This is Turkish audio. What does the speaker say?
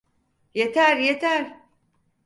Yeter, yeter!